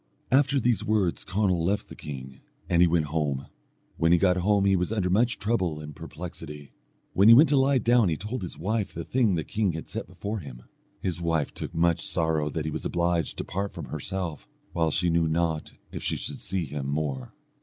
After these words Conall left the king, and he went home: when he got home he was under much trouble and perplexity. When he went to lie down he told his wife the thing the king had set before him. His wife took much sorrow that he was obliged to part from herself, while she knew not if she should see him more.